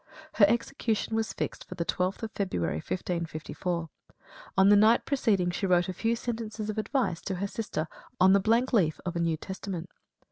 Her execution was fixed for the 12th of February 1554. On the night preceding she wrote a few sentences of advice to her sister on the blank leaf of a New Testament.